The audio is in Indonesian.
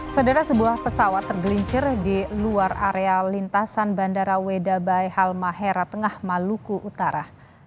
saudara sebuah pesawat tergelincir di luar area lintasan bandara wedabai halmahera tengah maluku utara